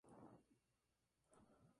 ¿ellos bebieron?